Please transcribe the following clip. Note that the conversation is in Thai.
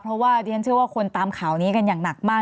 เพราะว่าดิฉันเชื่อว่าคนตามข่าวนี้กันอย่างหนักมาก